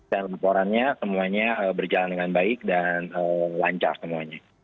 dan bocorannya semuanya berjalan dengan baik dan lancar semuanya